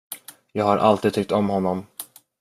Jag har alltid tyckt om honom.